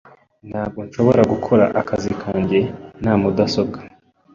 Ntabwo nshobora gukora akazi kanjye nta mudasobwa.